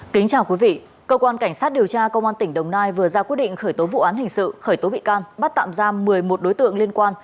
kính chào quý vị cơ quan cảnh sát điều tra công an tỉnh đồng nai vừa ra quyết định khởi tố vụ án hình sự khởi tố bị can bắt tạm giam một mươi một đối tượng liên quan